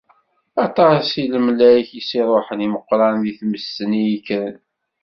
Aṭas n lemlak i s-iruḥen i Meqqran deg tmes-nni yekkren.